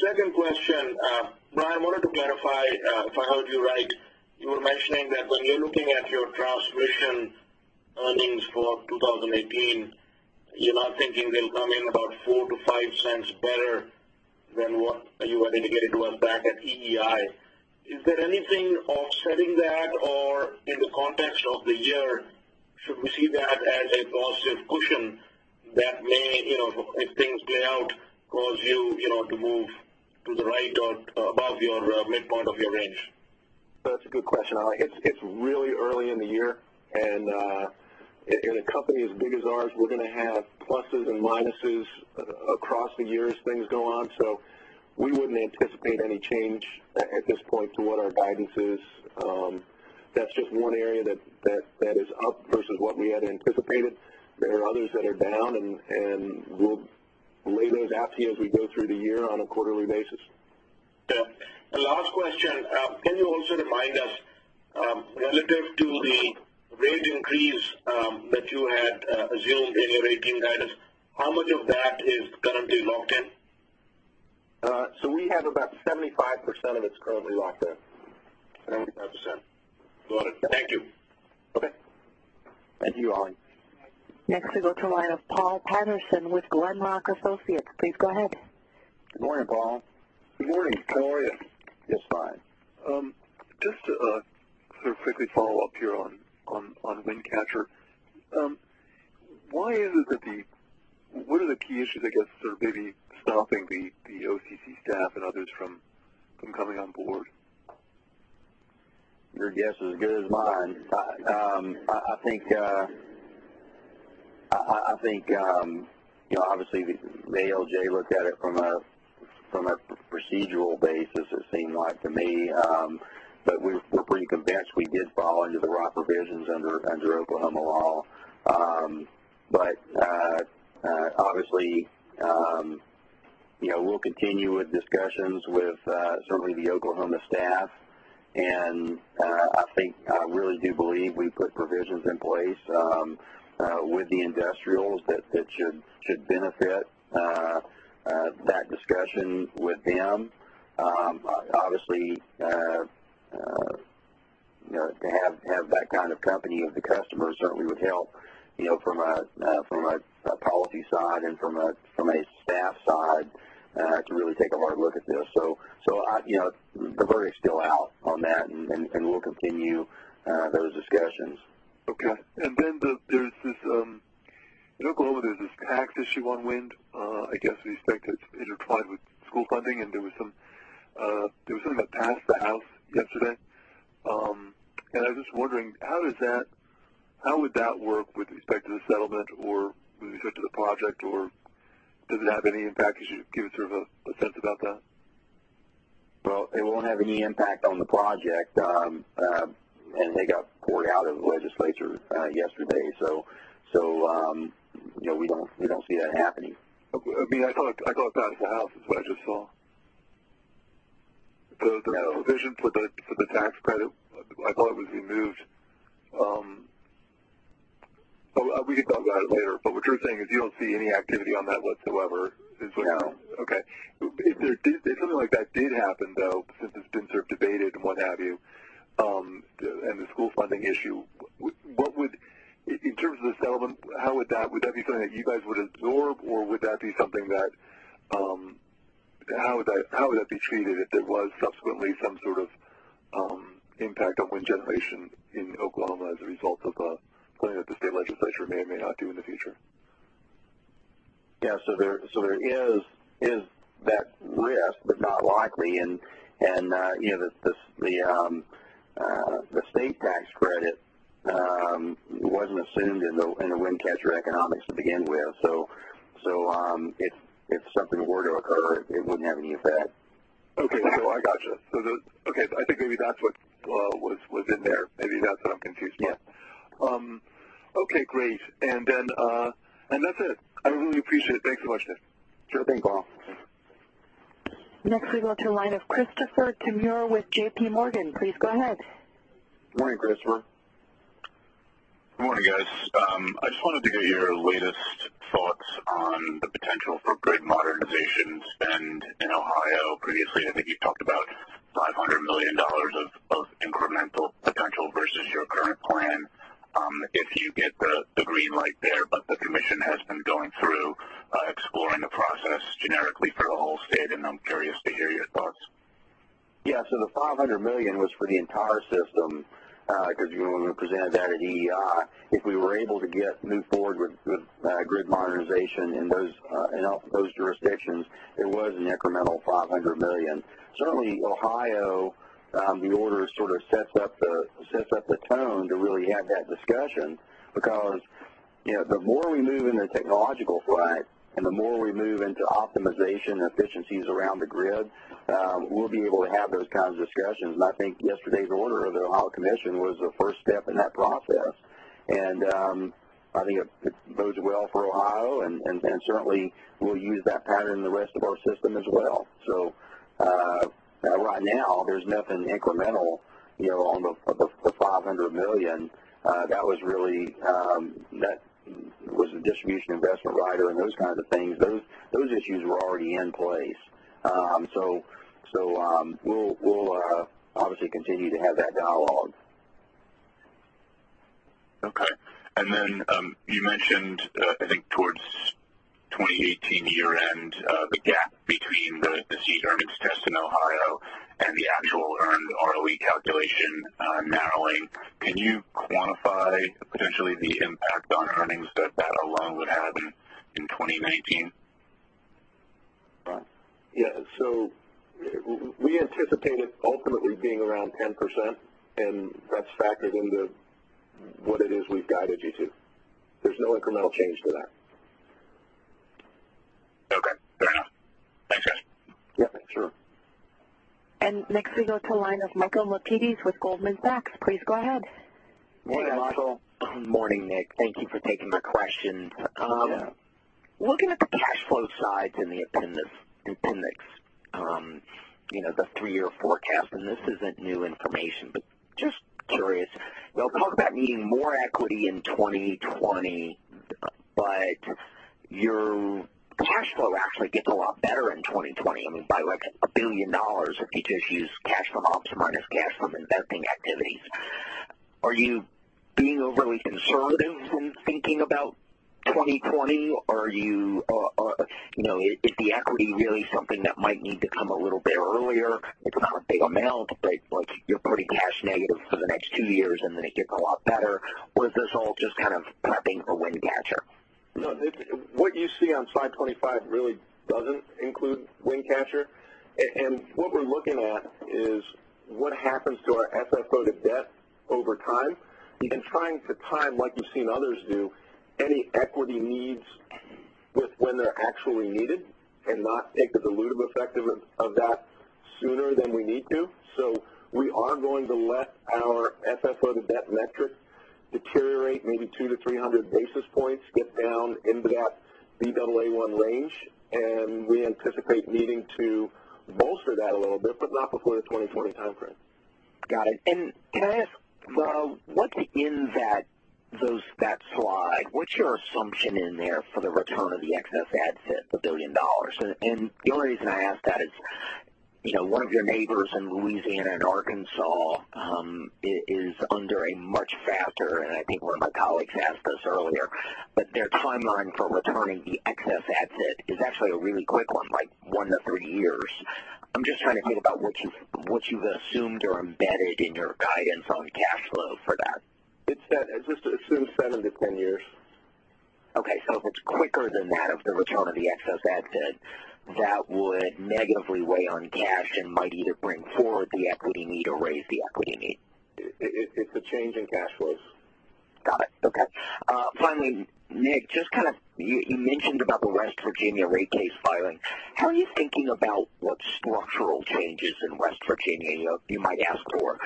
Second question. Brian, I wanted to clarify if I heard you right. You were mentioning that when you're looking at your transmission earnings for 2018, you're now thinking they'll come in about $0.04-$0.05 better than what you had indicated was back at EEI. Is there anything offsetting that, or in the context of the year, should we see that as an offset cushion that may, if things play out, cause you to move to the right or above your midpoint of your range? That's a good question, Ali. It's really early in the year, and in a company as big as ours, we're going to have pluses and minuses across the year as things go on. We wouldn't anticipate any change at this point to what our guidance is. That's just one area that is up versus what we had anticipated. There are others that are down, and we'll lay those out to you as we go through the year on a quarterly basis. Yeah. Last question. Can you also remind us, relative to the rate increase that you had assumed in your 2018 guidance, how much of that is currently locked in? We have about 75% of it's currently locked in. 75%. Got it. Thank you. Okay. Thank you, Ali. Next we go to the line of Paul Patterson with Glenrock Associates. Please go ahead. Good morning, Paul. Good morning. How are you? Just fine. Just to sort of quickly follow up here on Wind Catcher. What are the key issues that are maybe stopping the OCC staff and others from coming on board? Your guess is as good as mine. I think, obviously, the ALJ looked at it from a procedural basis, it seemed like to me. We're pretty convinced we did fall under the RECA provisions under Oklahoma law. Obviously, we'll continue with discussions with certainly the Oklahoma staff. I really do believe we put provisions in place with the industrials that should benefit that discussion with them. Obviously, to have that kind of company of the customers certainly would help from a policy side and from a staff side to really take a hard look at this. The verdict's still out on that, and we'll continue those discussions. Okay. In Oklahoma, there's this tax issue on wind, I guess with respect to it's intertwined with school funding, and there was something that passed the House yesterday. I was just wondering, how would that work with respect to the settlement? With respect to the project? Does it have any impact? Could you give sort of a sense about that? Well, it won't have any impact on the project. It got poured out of the legislature yesterday. We don't see that happening. I thought it passed the House, is what I just saw. The provision for the tax credit, I thought it was removed. We can talk about it later. What you're saying is you don't see any activity on that whatsoever. No. Okay. If something like that did happen, though, since it's been sort of debated and what have you, and the school funding issue, in terms of the settlement, would that be something that you guys would absorb, or would that be something that How would that be treated if there was subsequently some sort of impact on wind generation in Oklahoma as a result of something that the state legislature may or may not do in the future? Yeah. There is that risk, but not likely. The state tax credit wasn't assumed in the Wind Catcher economics to begin with. If something were to occur, it wouldn't have any effect. Okay. I got you. Okay. I think maybe that's what was in there. Maybe that's what I'm confused with. Yeah. Okay, great. That's it. I really appreciate it. Thanks so much, Nick. Sure thing, Paul. Next, we go to the line of Christopher Kimura with JPMorgan. Please go ahead. Morning, Christopher. Morning, guys. I just wanted to get your latest thoughts on the potential for grid modernization spend in Ohio. Previously, I think you talked about $500 million of incremental potential versus your current plan. If you get the green light there, the Commission has been going through, exploring the process generically for the whole state, and I'm curious to hear your thoughts. Yeah. The $500 million was for the entire system, because when we presented that at EEI, if we were able to move forward with grid modernization in all those jurisdictions, it was an incremental $500 million. Certainly, Ohio, the order sort of sets up the tone to really have that discussion, because the more we move in the technological front and the more we move into optimization and efficiencies around the grid, we'll be able to have those kinds of discussions. I think yesterday's order of the Ohio Commission was a first step in that process. I think it bodes well for Ohio, and certainly we'll use that pattern in the rest of our system as well. Right now, there's nothing incremental on the $500 million. That was a distribution investment rider and those kinds of things. Those issues were already in place. We'll obviously continue to have that dialogue. Okay. You mentioned, I think towards 2018 year-end, the gap between the SEET earnings test in Ohio and the actual earned ROE calculation narrowing. Can you quantify potentially the impact on earnings that that alone would have in 2019? Ron? We anticipate it ultimately being around 10%, and that's factored into what it is we've guided you to. There's no incremental change to that. Okay. Fair enough. Thanks, guys. Yeah, sure. Next we go to the line of Michael Lapides with Goldman Sachs. Please go ahead. Hey, Michael. Morning, Nick. Thank you for taking my question. Yeah. Looking at the cash flow slides in the appendix, the three-year forecast, and this isn't new information, but just curious. You talk about needing more equity in 2020, but your cash flow actually gets a lot better in 2020, by like $1 billion, if you just use cash from ops minus cash from investing activities. Are you being overly conservative when thinking about 2020? Is the equity really something that might need to come a little bit earlier? It's not a big amount, but you're pretty cash negative for the next two years, and then it gets a lot better. Is this all just kind of prepping for Wind Catcher? No. What you see on slide 25 really doesn't include Wind Catcher. What we're looking at is what happens to our FFO-to-debt over time and trying to time, like you've seen others do, any equity needs with when they're actually needed and not take the dilutive effect of that sooner than we need to. We are going to let our FFO-to-debt metric deteriorate maybe 2 to 300 basis points, get down into that Baa1 range. We anticipate needing to bolster that a little bit, but not before the 2020 time frame. Got it. Can I ask, what's in that slide? What is your assumption in there for the return of the excess ADIT, the $1 billion? The only reason I ask that is one of your neighbors in Louisiana and Arkansas is under a much faster, and I think one of my colleagues asked this earlier, but their timeline for returning the excess ADIT is actually a really quick one, like 1-3 years. I am just trying to think about what you have assumed or embedded in your guidance on cash flow for that. It just assumes 7-10 years. Okay. If it is quicker than that of the return of the excess ADIT, that would negatively weigh on cash and might either bring forward the equity need or raise the equity need. If the change in cash flow- Got it. Okay. Finally, Nick, you mentioned about the West Virginia rate case filing. How are you thinking about what structural changes in West Virginia you might ask for?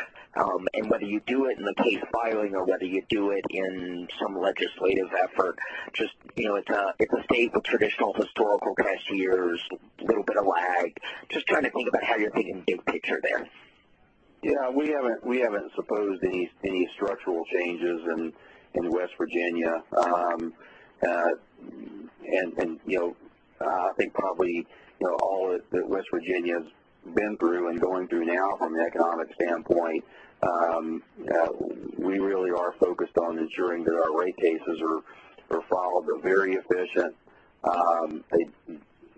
Whether you do it in the case filing or whether you do it in some legislative effort. It's a state with traditional historical cash flows, little bit of lag. Just trying to think about how you're thinking big picture there. Yeah, we haven't proposed any structural changes in West Virginia. I think probably, all that West Virginia's been through and going through now from an economic standpoint, we really are focused on ensuring that our rate cases are followed. They're very efficient.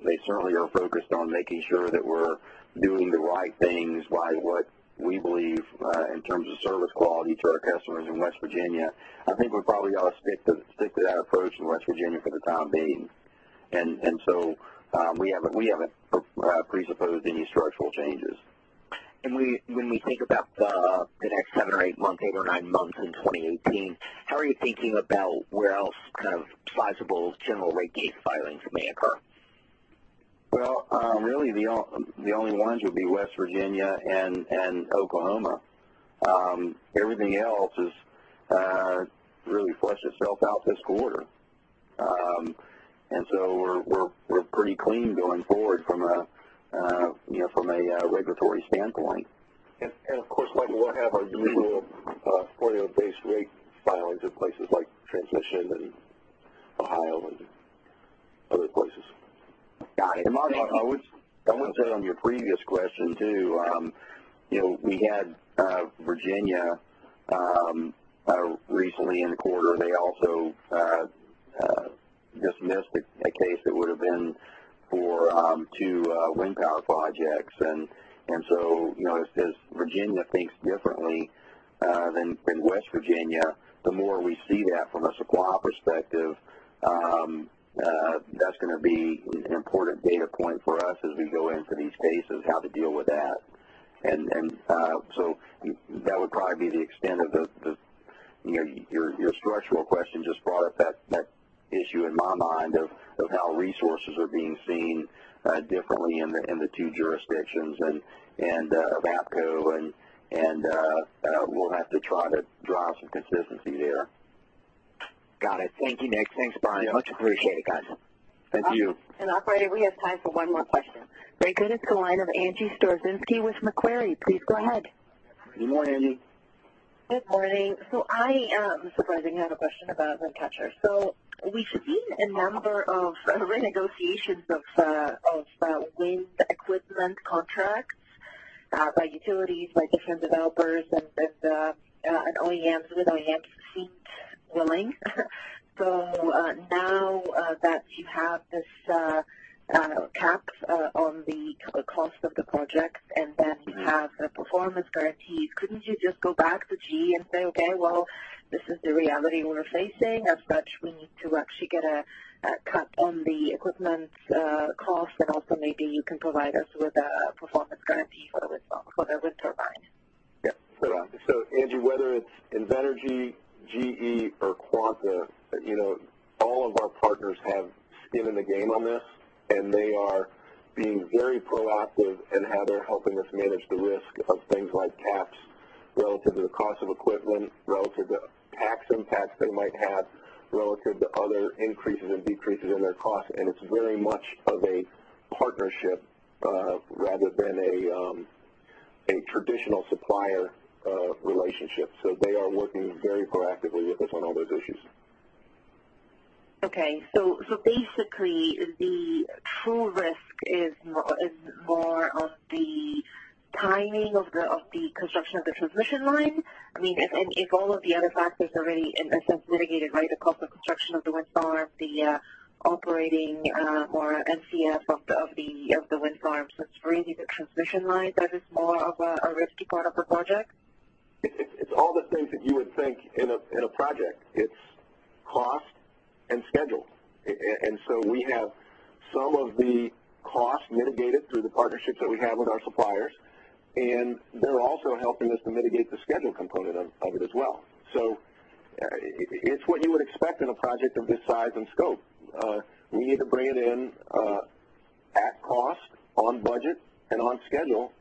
They certainly are focused on making sure that we're doing the right things by what we believe, in terms of service quality to our customers in West Virginia. I think we'll probably ought to stick to that approach in West Virginia for the time being. So we haven't presupposed any structural changes. When we think about the next seven or eight months, eight or nine months in 2018, how are you thinking about where else sizable general rate case filings may occur? Well, really the only ones would be West Virginia and Oklahoma. Everything else has really flushed itself out this quarter. So we're pretty clean going forward from a regulatory standpoint. Of course, Mike, we'll have our usual portfolio-based rate filings in places like transmission and Ohio and other places. Got it. Thank you. Mark, I would say on your previous question, too. We had Virginia, recently in the quarter, they also dismissed a case that would've been for 2 wind power projects. As Virginia thinks differently than West Virginia, the more we see that from a supply perspective, that's going to be an important data point for us as we go into these cases, how to deal with that. That would probably be the extent of the structural question, just brought up that issue in my mind of how resources are being seen differently in the two jurisdictions and of APCo, and we'll have to try to draw some consistency there. Got it. Thank you, Nick. Thanks, Brian. Much appreciated, guys. Thank you. Operator, we have time for one more question. Great. Go ahead to the line of Angie Storozynski with Macquarie. Please go ahead. Good morning, Angie. Good morning. I am surprisingly have a question about Wind Catchers. We've seen a number of renegotiations of wind equipment contracts by utilities, by different developers and OEMs, with OEMs seemed willing. Now that you have this caps on the cost of the projects, and then you have the performance guarantees, couldn't you just go back to GE and say, "Okay, well, this is the reality we're facing. As such, we need to actually get a cap on the equipment cost, and also maybe you can provide us with a performance guarantee for the wind turbine. Yeah. Angie, whether it's Invenergy, GE, or Quanta, all of our partners have skin in the game on this, they are being very proactive in how they're helping us manage the risk of things like caps relative to the cost of equipment, relative to tax impacts they might have, relative to other increases and decreases in their costs. It's very much of a partnership, rather than a traditional supplier relationship. They are working very proactively with us on all those issues. Okay. Basically, the true risk is more of the timing of the construction of the transmission line. I mean, if all of the other factors are really, in a sense, mitigated, right? The cost of construction of the wind farm, the operating, or NCF of the wind farm. It's really the transmission line that is more of a risky part of the project? It's all the things that you would think in a project. It's cost and schedule. We have some of the cost mitigated through the partnerships that we have with our suppliers, they're also helping us to mitigate the schedule component of it as well. It's what you would expect in a project of this size and scope. We need to bring it in at cost, on budget and on schedule,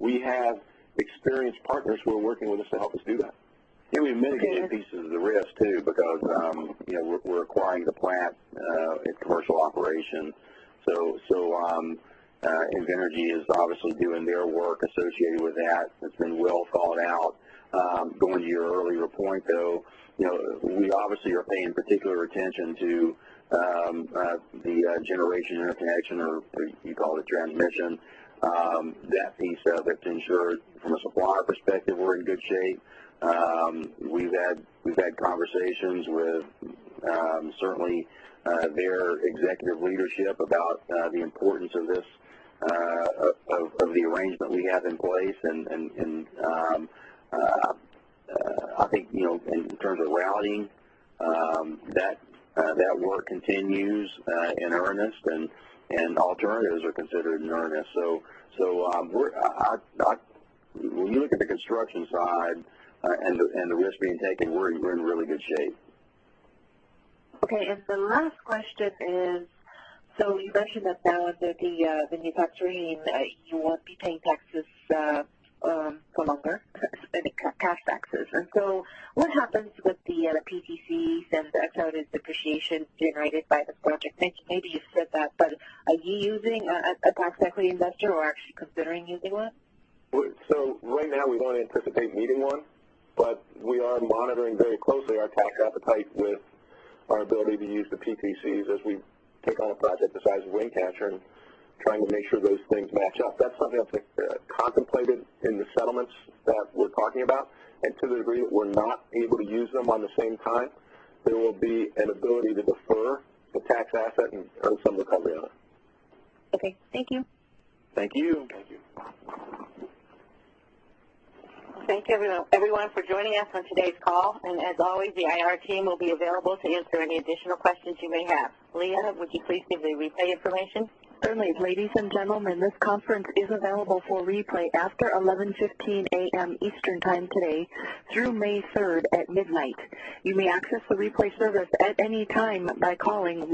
we have experienced partners who are working with us to help us do that. Yeah, we mitigate pieces of the risk, too, because we're acquiring the plant in commercial operation. Invenergy is obviously doing their work associated with that. It's been well thought out. Going to your earlier point, though, we obviously are paying particular attention to the generation interconnection or you call it transmission. That piece of it to ensure from a supplier perspective, we're in good shape. We've had conversations with, certainly, their executive leadership about the importance of the arrangement we have in place. I think in terms of routing That work continues in earnest, and alternatives are considered in earnest. When you look at the construction side and the risk being taken, we're in really good shape. Okay, the last question is, you mentioned that now that the new tax regime, you won't be paying taxes for longer, cash taxes. What happens with the PTCs and accelerated depreciation generated by this project? Maybe you said that, are you using a tax equity investor or are you considering using one? Right now we don't anticipate needing one, we are monitoring very closely our tax appetite with our ability to use the PTCs as we take on a project the size of Wind Catcher and trying to make sure those things match up. That's something that's contemplated in the settlements that we're talking about. To the degree that we're not able to use them on the same time, there will be an ability to defer the tax asset and some recovery on it. Okay. Thank you. Thank you. Thank you. Thank you, everyone, for joining us on today's call. As always, the IR team will be available to answer any additional questions you may have. Leah, would you please give the replay information? Certainly. Ladies and gentlemen, this conference is available for replay after 11:15 A.M. Eastern Time today through May 3rd at midnight. You may access the replay service at any time by calling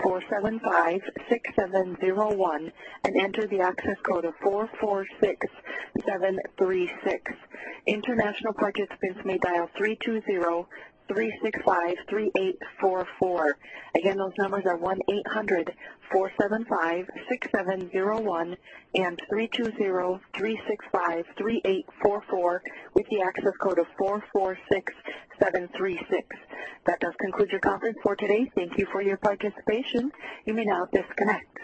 1-800-475-6701 and enter the access code of 446736. International participants may dial 320-365-3844. Again, those numbers are 1-800-475-6701 and 320-365-3844 with the access code of 446736. That does conclude your conference for today. Thank you for your participation. You may now disconnect.